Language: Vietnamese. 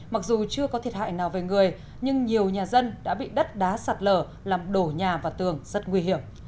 mặc dù chưa có thiệt hại nào về người nhưng nhiều nhà dân đã bị đất đá sạt lở làm đổ nhà và tường rất nguy hiểm